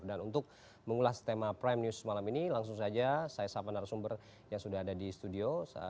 dan untuk mengulas tema prime news malam ini langsung saja saya sapa narasumber yang sudah ada di studio